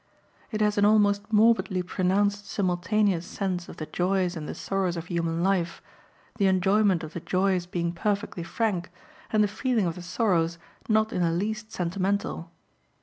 It has an almost morbidly pronounced simultaneous sense of the joys and the sorrows of human life, the enjoyment of the joys being perfectly frank, and the feeling of the sorrows not in the least sentimental.